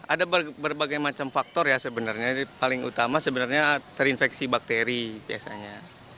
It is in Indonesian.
ada berbagai macam faktor ya sebenarnya paling utama sebenarnya terinfeksi bakteri biasanya